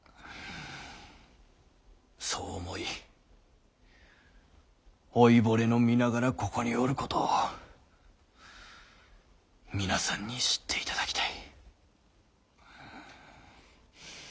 そう思い老いぼれの身ながらここにおることを皆さんに知っていただきたい。